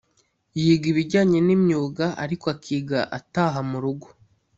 yiga ibijyanye n’imyuga ariko akiga ataha mu rugo.